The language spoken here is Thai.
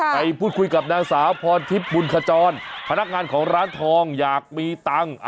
ไปพูดคุยกับนางสาวพรทิพย์บุญขจรพนักงานของร้านทองอยากมีตังค์